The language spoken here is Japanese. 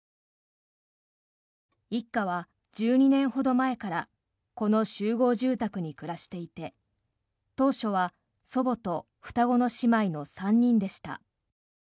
一家は１２年ほど前からこの集合住宅に暮らしていて当初は祖母と双子の姉妹の３人でした。